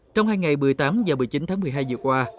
trong hai ngày một mươi tám và một mươi chín tháng một mươi hai vừa qua